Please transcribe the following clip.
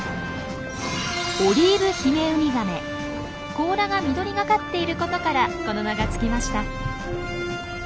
甲羅が緑がかっていることからこの名が付きました。